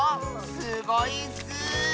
すごいッス！